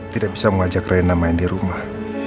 tidak bisa mengajak reina main di rumah